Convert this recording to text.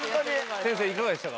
先生、いかがでしたか。